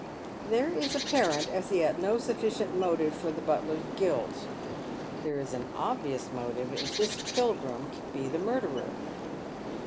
There is apparent, as yet, no sufficient motive for the butler's guilt ; there is an obvious motive if this Pilgrim be the murderer.